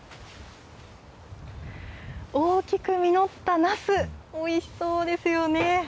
大きく実ったなす、おいしそうですよね。